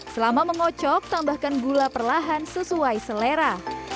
selama mengocok tambahkan gula perlahan sesuai selera